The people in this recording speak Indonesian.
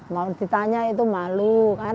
mau ditanya itu malu